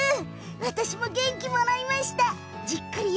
私も元気もらえちゃいました。